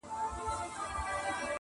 هم ښکاري ؤ هم جنګي ؤ هم غښتلی,